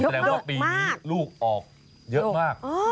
แปลว่าปีนี้ลูกออกเยอะมาก